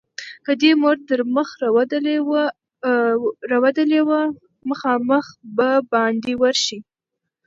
که دې مور تر مخ رودلې وه؛ مخامخ به باندې ورشې.